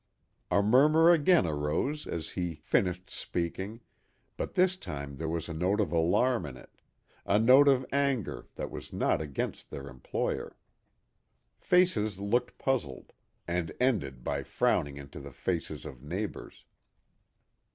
A murmur again arose as he finished speaking, but this time there was a note of alarm in it, a note of anger that was not against their employer. Faces looked puzzled, and ended by frowning into the faces of neighbors.